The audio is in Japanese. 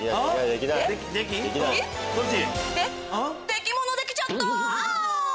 できものできちゃった。